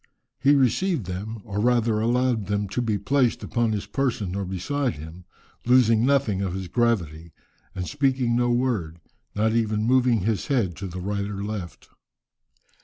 He received them, or rather allowed them to be placed upon his person or beside him, losing nothing of his gravity, and speaking no word, not even moving his head to the right or left."